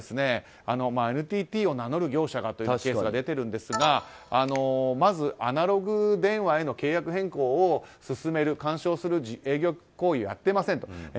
ＮＴＴは、ＮＴＴを名乗る業者がというケースが出ているんですがまずアナログ電話への契約変更を進める、勧奨する営業行為はやっていませんと。